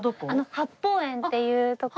八芳園っていう所。